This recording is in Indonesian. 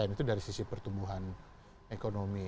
itu dari sisi pertumbuhan ekonomi